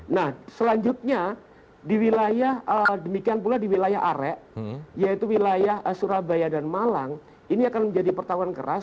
nah selanjutnya di wilayah demikian pula di wilayah arek yaitu wilayah surabaya dan malang ini akan menjadi pertahuan keras